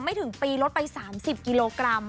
ไม่ถึงปีลดไป๓๐กิโลกรัม